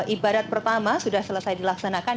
ibarat pertama sudah selesai dilaksanakan